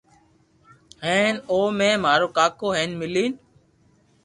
ھين اومي مارو ڪاڪو ھين ملين